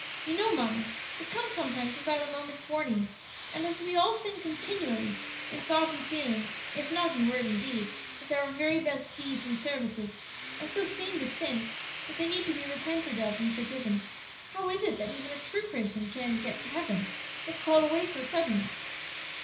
You know, mamma, it comes sometimes without a moment's warning; and as we all sin continually in thought and feeling, if not in word and deed, as our very best deeds and services are so stained with sin that they need to be repented of and forgiven, how is it that even a true Christian can get to heaven if called away so suddenly?"